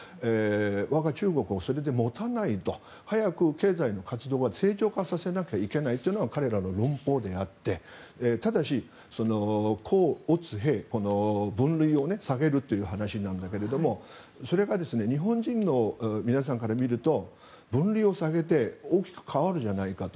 我が中国はそれでもたないと速く経済の活動は成長化させなきゃいけないというのが彼らの論法であってただし、甲乙丙分類を下げるという話なんだけどそれが日本人の皆さんから見ると分類を下げて大きく変わるじゃないかと。